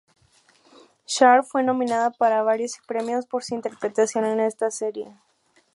Sharp fue nominada para varios premios por su interpretación en esta serie.